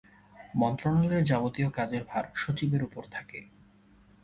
মন্ত্রণালয়ের যাবতীয় কাজের ভার সচিবের উপর থাকে।